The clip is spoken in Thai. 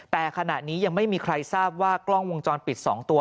แต่ขณะนี้ยังไม่มีใครทราบว่ากล้องวงจรปิด๒ตัว